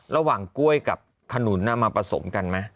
กล้วยกับขนุนมาผสมกันไหม